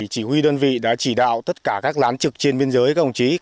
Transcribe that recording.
chỉ huy đơn vị đã chỉ đạo tất cả các lán trực trên biên giới